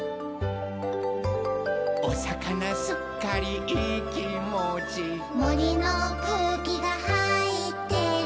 「おさかなすっかりいいきもち」「もりのくうきがはいってる」